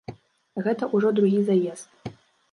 Гэта ўжо другі заезд.